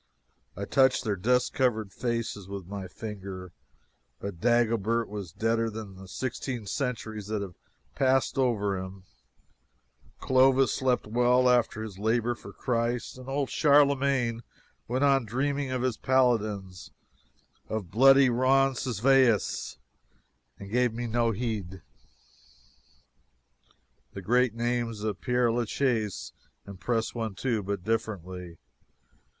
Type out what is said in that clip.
I touched their dust covered faces with my finger, but Dagobert was deader than the sixteen centuries that have passed over him, Clovis slept well after his labor for Christ, and old Charlemagne went on dreaming of his paladins, of bloody Roncesvalles, and gave no heed to me. The great names of Pere la Chaise impress one, too, but differently.